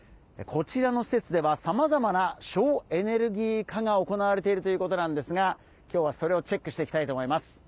こちらの施設ではさまざまな省エネルギー化が行われているということなんですが今日はそれをチェックして行きたいと思います。